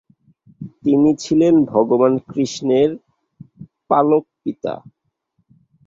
তিনি ছিলেন ভগবান কৃষ্ণের পালক-পিতা।